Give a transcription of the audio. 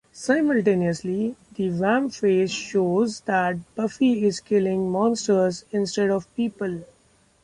Simultaneously, the vamp face shows that Buffy is killing monsters instead of people.